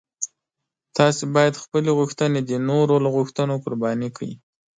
تاسو باید خپلې غوښتنې د نورو له غوښتنو قرباني کړئ.